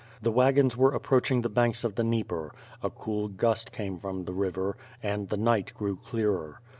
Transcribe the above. The wagons were approaching the banks of the Dnieper; a cool gust came from the river, and the night grew clearer.